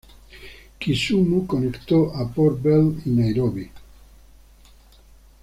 Kisumu conectó a Port Bell y Nairobi.